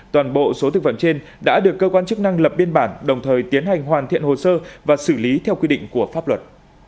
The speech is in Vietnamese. toàn bộ số thực phẩm trên đã được cơ quan chức năng lập biên bản đồng thời tiến hành hoàn thiện hồ sơ và xử lý theo quy định của pháp luật